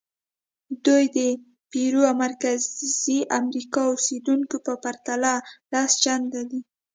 دوی د پیرو او مرکزي امریکا اوسېدونکو په پرتله لس چنده دي.